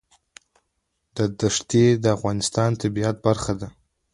دښتې د افغانستان د طبیعت برخه ده.